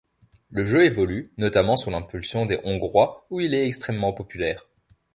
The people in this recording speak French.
Le jeu évolue, notamment sous l'impulsion des Hongrois, où il est extrêmement populaire.